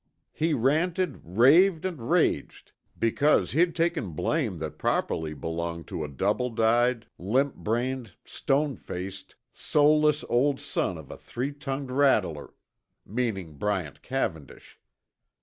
He ranted, raved, and raged because he'd taken blame that properly belonged to a double dyed, limp brained, stone faced, soulless old son of a three tongued rattler, meaning Bryant Cavendish.